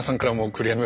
クレーム